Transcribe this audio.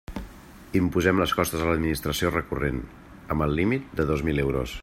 Imposem les costes a l'Administració recurrent, amb el límit de dos mil euros.